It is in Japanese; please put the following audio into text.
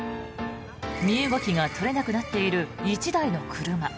身動きが取れなくなっている１台の車。